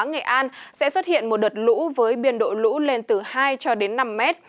nghệ an sẽ xuất hiện một đợt lũ với biên độ lũ lên từ hai năm m